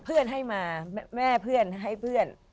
เพื่อนให้มาแม่เพื่อนให้เพื่อน